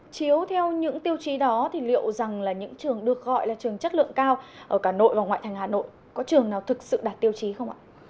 chiếu theo những tiêu chí đó thì liệu rằng là những trường được gọi là trường chất lượng cao ở cả nội và ngoại thành hà nội có trường nào thực sự đạt tiêu chí không ạ